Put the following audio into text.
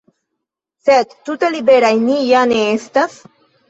Sed tute liberaj ni ja ne estas.